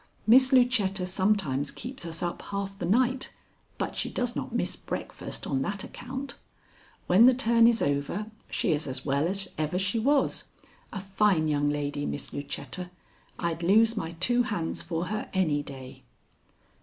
"Miss Lucetta sometimes keeps us up half the night, but she does not miss breakfast on that account. When the turn is over, she is as well as ever she was. A fine young lady, Miss Lucetta. I'd lose my two hands for her any day."